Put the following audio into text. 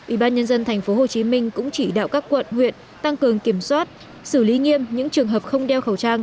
ubnd tp hcm cũng chỉ đạo các quận huyện tăng cường kiểm soát xử lý nghiêm những trường hợp không đeo khẩu trang